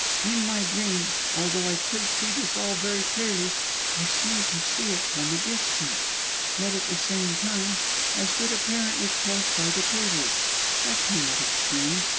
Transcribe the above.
In my dream, although I could see this all very clearly, I seemed to see it from a distance; yet, at the same time, I stood apparently close by the tables I cannot explain.